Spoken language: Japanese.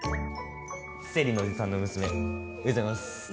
生理のおじさんの娘おはようございます。